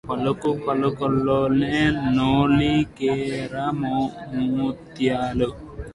పలుకుపలుకులోన నొలికెరా ముత్యాలు